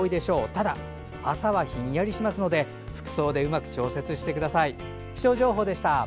ただ、朝はひんやりしますので服装でうまく調節してください。